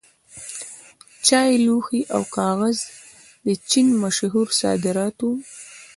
چای، لوښي او کاغذ د چین مشهور صادرات وو.